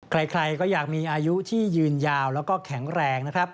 ใครก็อยากมีอายุที่ยืนยาวแล้วก็แข็งแรงนะครับ